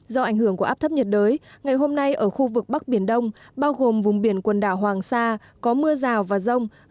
do ảnh hưởng của áp thấp nhiệt đới ngày hôm nay ở khu vực bắc biển đông bao gồm vùng biển quần đảo hoàng sa có mưa rào và rông gió mạnh cấp ba mươi độ vĩ bắc